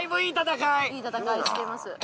いい戦いしてます。